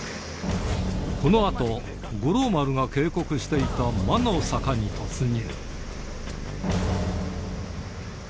このあと、五郎丸が警告していた魔の坂に突入。